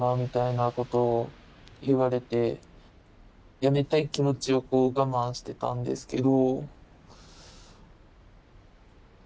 辞めたい気持ちをこう我慢してたんですけど。